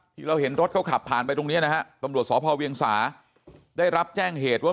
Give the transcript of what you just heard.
ที่เราเห็นรถเขาขับผ่านไปตรงนี้นะฮะตำรวจสพเวียงสาได้รับแจ้งเหตุว่า